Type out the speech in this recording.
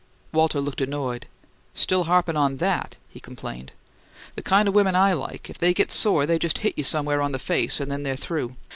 Walter looked annoyed. "Still harpin' on THAT!" he complained. "The kind of women I like, if they get sore they just hit you somewhere on the face and then they're through.